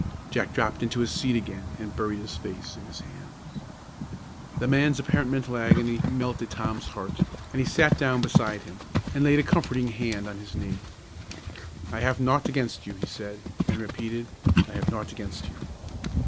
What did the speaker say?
Jack dropped into his seat again and buried his face in his hands. The man's apparent mental agony melted Tom's heart, and he sat down beside him and laid a comforting hand on his knee. "I have naught against you," he said, and repeated, "I have naught against you."